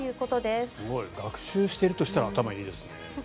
すごい。学習しているとしたら頭いいですね。